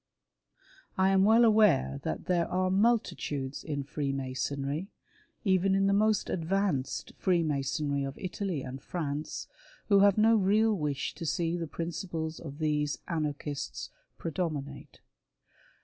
I am well aware that there are multitudes in Freemasonry — even in the most "advanced" Freemasonry of Italy and France — who have no real wish to see the principles of these anarchists predominate.